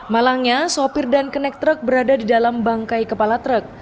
malangnya sopir dan kernet truk berada di dalam bangunan